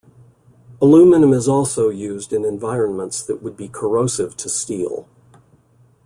Aluminium is also used in environments that would be corrosive to steel.